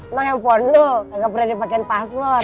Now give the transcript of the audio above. emang handphone lo gak pernah dipakein password